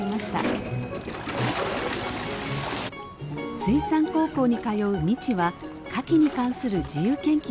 水産高校に通う未知はカキに関する自由研究をしています。